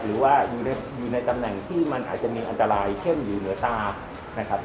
หรือว่าอยู่ในตำแหน่งที่มันอาจจะมีอันตรายเช่นอยู่เหนือตานะครับ